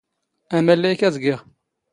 ⴰⵎⴰⵍⵍⴰⵢ ⴽⴰ ⴰⵢⴷ ⴳⵉⵖ.